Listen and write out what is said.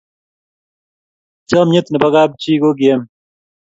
chamiet nebo kap chi kokiem